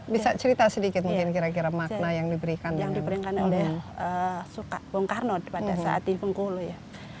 bisa cerita sedikit mungkin kira kira makna yang diberikan yang diberikan oleh bung karno pada saat di bengkulu ya